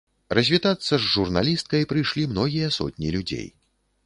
Развітацца з журналісткай прыйшлі многія сотні людзей.